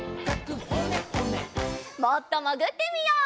もっともぐってみよう。